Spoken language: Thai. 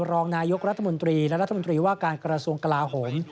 รองนายกรัฐมนตรีและรัฐมนตรีว่าการกระทรวงกลาโหม